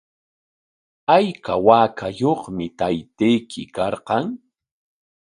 ¿Ayka waakayuqmi taytayki karqan?